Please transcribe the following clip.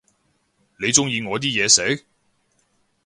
你鍾意我啲嘢食？